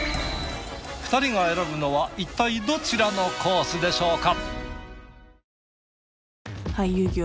２人が選ぶのはいったいどちらのコースでしょうか？